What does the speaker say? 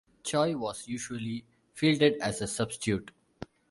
Choi was usually fielded as a substitute.